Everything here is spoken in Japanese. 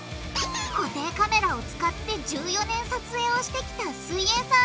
固定カメラを使って１４年撮影をしてきた「すイエんサー」